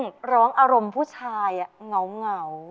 ซึ่งร้องอารมณ์ผู้ชายอ่ะเหงา